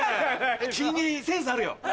君センスあるよ。